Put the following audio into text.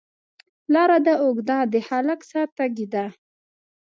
لار ده اوږده، د هلک ساه تږې ده